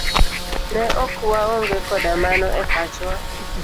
Ne ok waonge koda mano e pachwa.